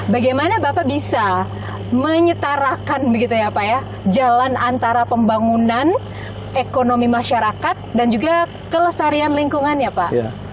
bagaimana bapak bisa menyetarakan jalan antara pembangunan ekonomi masyarakat dan juga kelestarian lingkungan ya pak